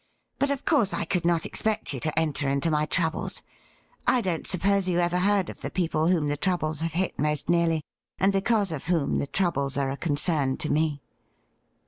But, of course, I could not expect you to enter into my troubles. I don't suppose you ever heard of the people whom the troubles have hit most nearly, and because of whom the troubles are a concern to me.'